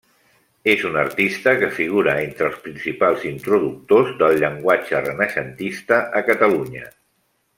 És un artista que figura entre els principals introductors del llenguatge renaixentista a Catalunya.